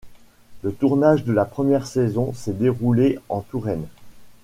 Le tournage de la première saison s'est déroulé en Touraine.